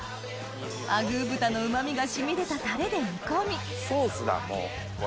あぐー豚のうまみが染み出たタレで煮込みソースだもう。